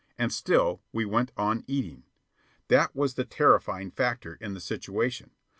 And still we went on eating. That was the terrifying factor in the situation.